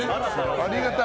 ありがたい。